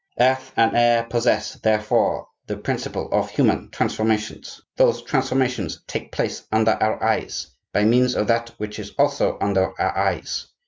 Earth and air possess, therefore, the principle of human transformations; those transformations take place under our eyes, by means of that which is also under our eyes.